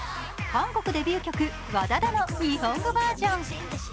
韓国デビュー曲「ＷＡＤＡＤＡ」の日本語バージョン。